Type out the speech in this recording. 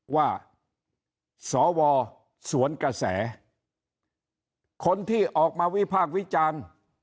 สวสวนกระแสคนที่ออกมาวิพากษ์วิจารณ์